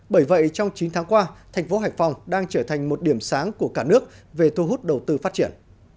bởi vậy trong chín tháng qua thành phố hải phòng đang trở thành một điểm sáng của cả nước về thu hút đầu tư phát triển